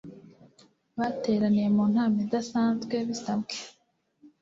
bateraniye mu nama idasanzwe bisabwe